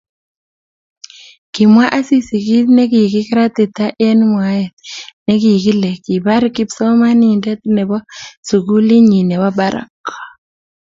kimwa Asisi kiit nekikiratita eng mwae nekikile kibar kipsomaninde nebo sukulitnyin nebo barak